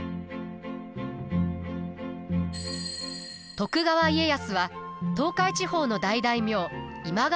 徳川家康は東海地方の大大名今川